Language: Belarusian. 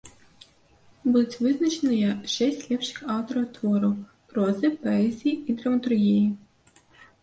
Будуць вызначаныя шэсць лепшых аўтараў твораў прозы, паэзіі і драматургіі.